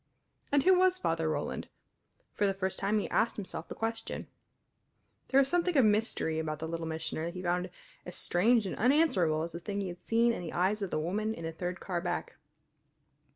And who was Father Roland? For the first time he asked himself the question. There was something of mystery about the Little Missioner that he found as strange and unanswerable as the thing he had seen in the eyes of the woman in the third car back.